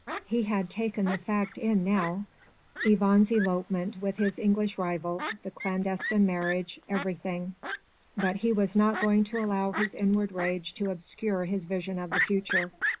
He had taken the fact in now. Yvonne's elopement with his English rival, the clandestine marriage, everything. But he was not going to allow his inward rage to obscure his vision of the future.